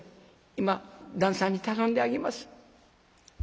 今旦さんに頼んであげます。